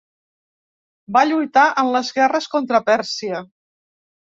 Va lluitar en les guerres contra Pèrsia.